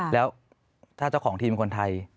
แล้วถ้าเจ้าของทีมเป็นคนไทย